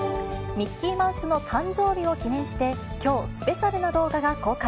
ミッキーマウスの誕生日を記念して、きょう、スペシャルな動画が公開。